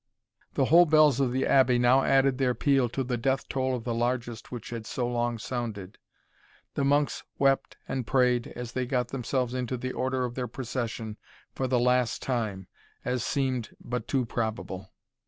The whole bells of the Abbey now added their peal to the death toll of the largest which had so long sounded. The monks wept and prayed as they got themselves into the order of their procession for the last time, as seemed but too probable.